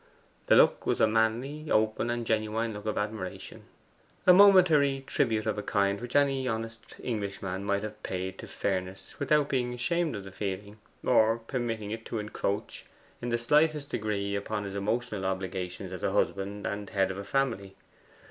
The look was a manly, open, and genuine look of admiration; a momentary tribute of a kind which any honest Englishman might have paid to fairness without being ashamed of the feeling, or permitting it to encroach in the slightest degree upon his emotional obligations as a husband and head of a family.